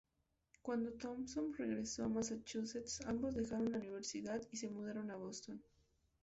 Cuando Thompson regresó a Massachusetts, ambos dejaron la universidad y se mudaron a Boston.